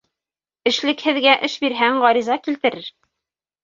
Эшлекһеҙгә эш бирһәң, ғариза килтерер.